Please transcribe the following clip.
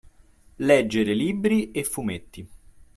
Leggere libri e fumetti